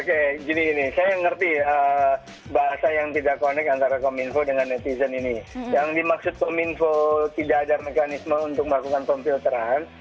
oke gini gini saya ngerti bahasa yang tidak connect antara kominfo dengan netizen ini yang dimaksud kominfo tidak ada mekanisme untuk melakukan pemfilteran